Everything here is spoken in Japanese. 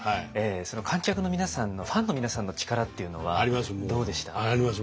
観客の皆さんのファンの皆さんの力っていうのはどうでした？あります。